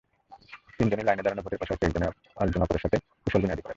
তিনজনই লাইনে দাঁড়ানো ভোটারের পাশাপাশি একে অপরের সঙ্গে কুশল বিনিময় করেন।